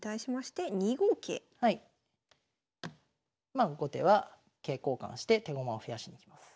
まあ後手は桂交換して手駒を増やしにいきます。